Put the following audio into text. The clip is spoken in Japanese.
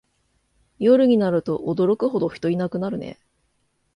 夜になると驚くほど人いなくなるね